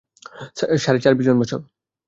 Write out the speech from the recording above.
সাড়ে চার বিলিয়ন বছর।